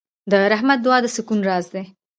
د رحمت دعا د سکون راز دی.